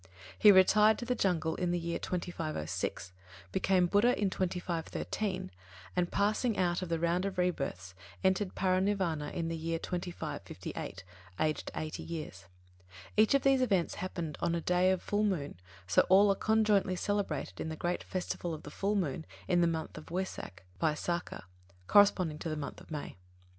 he retired to the jungle in the year 2506; became Buddha in 2513; and, passing out of the round of rebirths, entered Paranirvāna in the year 2558, aged eighty years. Each of these events happened on a day of full moon, so all are conjointly celebrated in the great festival of the full moon of the month Wesak (Vaisākha), corresponding to the month of May.